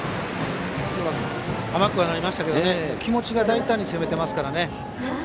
甘くはなりましたが気持ちが大胆に攻めてますからね。